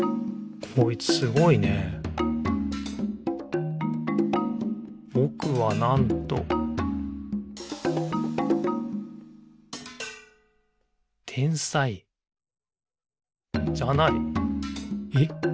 こいつすごいね「ぼくは、なんと」天才じゃない。え？